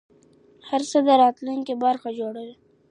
هره هڅه د راتلونکي برخه جوړوي.!